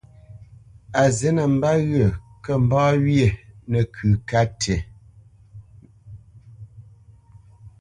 A zǐ nəmbât ghó kə mbá wyê nə́kət sə̂ ka tî.